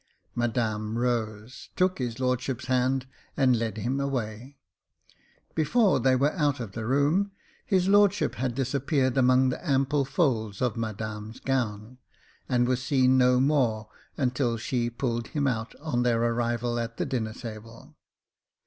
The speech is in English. Madame rose, took his lordship's hand, and led him away. Before they were out of the room, his lordship had disappeared among the ample folds of Madame's gown, and was seen no more until she pulled him out, on their arrival at the dinner table.